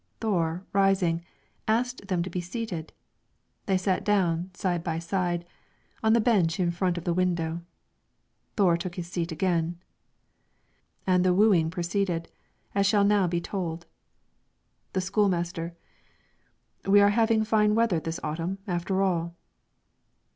Thore rising, asked them to be seated; they sat down, side by side, on the bench in front of the window. Thore took his seat again. And the wooing proceeded as shall now be told. The school master: "We are having fine weather this autumn, after all."